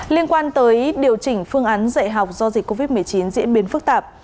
liên quan tới điều chỉnh phương án dạy học do dịch covid một mươi chín diễn biến phức tạp